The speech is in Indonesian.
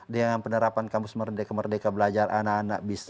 dengan penerapan kampus merdeka merdeka belajar anak anak bisa